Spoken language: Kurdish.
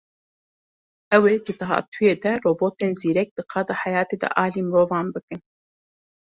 Ew ê di dahatûyê de robotên zîrek di qada heyatê de alî mirovan bikin.